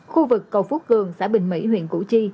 khu vực cầu phúc hường xã bình mỹ huyện củ chi